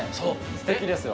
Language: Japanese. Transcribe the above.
すてきですよ。